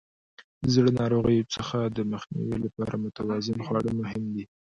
د زړه ناروغیو څخه د مخنیوي لپاره متوازن خواړه مهم دي.